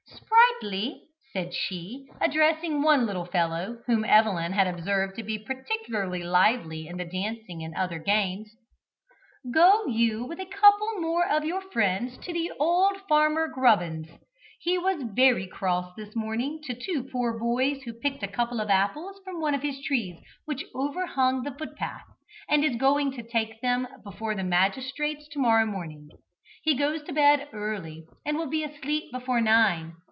"Sprightly," said she, addressing one little fellow, whom Evelyn had observed to be particularly lively in the dancing and other games, "go you, with a couple more of your friends, to old Farmer Grubbins. He was very cross this morning to two poor boys who picked a couple of apples from one of his trees which overhung the footpath, and is going to take them before the magistrates to morrow morning. He goes to bed early and will be asleep before nine.